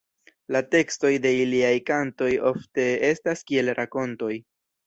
La tekstoj de iliaj kantoj ofte estas kiel rakontoj.